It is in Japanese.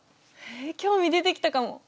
へえ興味出てきたかも。